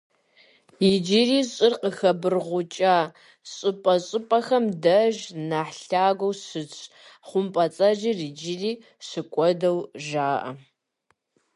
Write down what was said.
Иджыри щӀыр къыхэбыргъукӀауэ, щӀыпӀэщӀыпӀэхэм деж нэхъ лъагэу щытщ, хъумпӀэцӀэджыр иджыри щыкуэду жаӀэ.